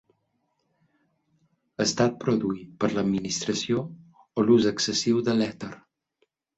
Estat produït per l'administració o l'ús excessiu de l'èter.